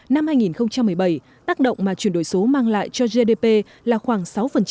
năm hai nghìn một mươi bảy tác động mà chuyển đổi số mang lại cho gdp là khoảng sáu